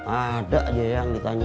ada aja yang ditanya